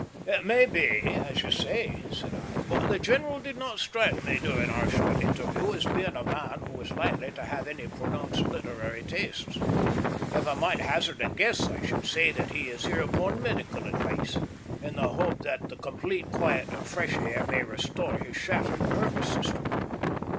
"It may be as you say," said I, "but the general did not strike me during our short interview as being a man who was likely to have any very pronounced literary tastes. If I might hazard a guess, I should say that he is here upon medical advice, in the hope that the complete quiet and fresh air may restore his shattered nervous system.